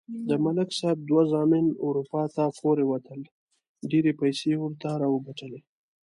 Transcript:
د ملک صاحب دوه زامن اروپا ته پورې وتل. ډېرې پیسې یې ورته راوگټلې.